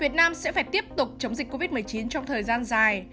việt nam sẽ phải tiếp tục chống dịch covid một mươi chín trong thời gian dài